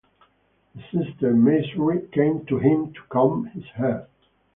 His sister Maisry came to him to comb his hair.